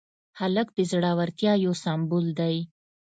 هلک د زړورتیا یو سمبول دی.